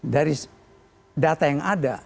dari data yang ada